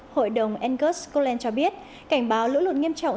hội đồng angus scotland cho biết cảnh báo lũ lụt nghiêm trọng